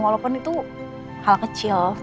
walaupun itu hal yang bisa kita lakukan